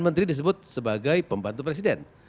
menteri disebut sebagai pembantu presiden